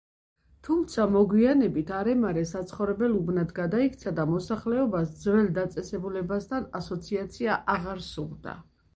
თუმცა მოგვიანებით არემარე საცხოვრებელ უბნად გადაიქცა და მოსახლეობას ძველ დაწესებულებასთან ასოციაცია აღარ სურდა.